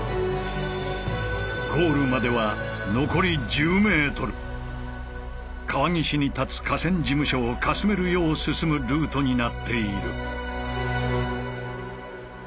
ゴールまでは川岸に立つ河川事務所をかすめるよう進むルートになっている。